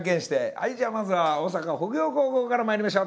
はいじゃあまずは大阪北陽高校からまいりましょう。